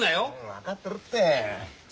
分かってるって。